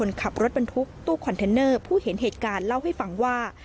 ในบุญไสนุกิรรมอายุ๓๑ปีคนขับรถบรรทุกตู้คอนเทนเนอร์ผู้เห็นเหตุการณ์เล่าให้ฟังว่า